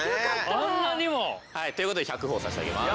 あんなにも！？ということで１００ほぉ差し上げます！